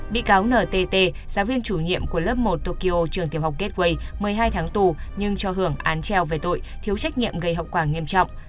bị cáo n t t giáo viên chủ nhiệm của lớp một tokyo trường tiểu học gateway một mươi hai tháng tù nhưng cho hưởng án treo về tội thiếu trách nhiệm gây hậu quả nghiêm trọng